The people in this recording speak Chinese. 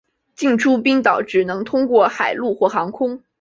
进出冰岛只能通过海路或航空。